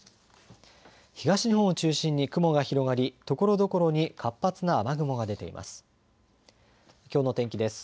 東日本を中心に雲が広がりところどころに活発な雨雲が出ています。